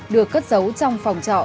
được cất giấu trong phòng trọ